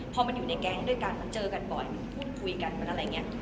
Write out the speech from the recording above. พอมันอยู่ในแก๊งมาเจอกันบ่อยพูดคุยกันน่ะอะไรอย่างเนี่ย